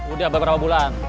udah beberapa bulan